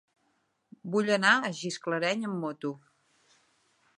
Vull anar a Gisclareny amb moto.